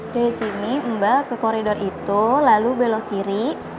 dari sini mbak ke koridor itu lalu belok kiri